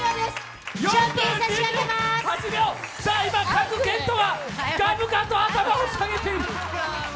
今賀来賢人が深々と頭を下げている。